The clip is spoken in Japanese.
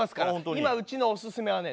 今うちのおすすめはね